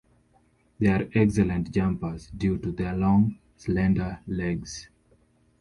They are excellent jumpers due to their long, slender legs.